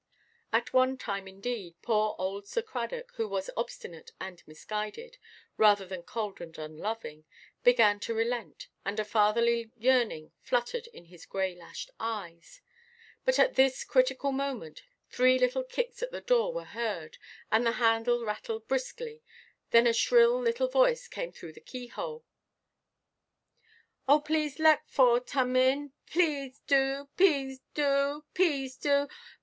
At one time, indeed, poor old Sir Cradock, who was obstinate and misguided, rather than cold and unloving, began to relent, and a fatherly yearning fluttered in his grey–lashed eyes. But at this critical moment, three little kicks at the door were heard, and the handle rattled briskly; then a shrill little voice came through the keyhole: "Oh pease let Fore tum in. Pease do, pease do, pease do.